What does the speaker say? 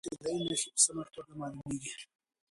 د ناروغۍ ابتدايي نښې په سمه توګه معلومېږي.